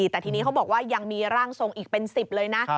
แต่ทีนี้เขาบอกว่ายังมีร่างทรงอีกเป็น๑๐เลยนะ